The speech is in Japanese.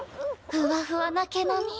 ふわふわな毛並み。